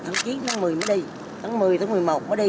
tháng mùa mùa cá